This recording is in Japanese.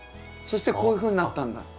そしてこういうふうになったんだ。